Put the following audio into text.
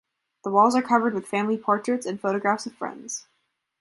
The walls are covered with family portraits and photographs of friends.